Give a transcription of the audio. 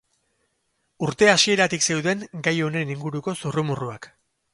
Urte hasieratik zeuden gai honen inguruko zurrumurruak.